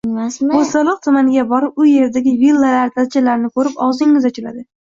Bo‘stonliq tumaniga borib u yerdagi villalar, dachalarni ko‘rib og‘zingiz ochiladi.